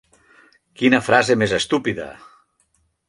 Quina frase més estúpida.